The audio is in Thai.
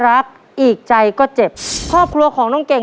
รับทุนไปต่อชีวิตสุดหนึ่งล้อนบอส